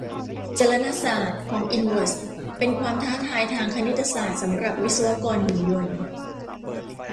จลนศาสตร์ของอินเวอร์สเป็นความท้าทายทางคณิตศาสตร์สำหรับวิศวกรหุ่นยนต์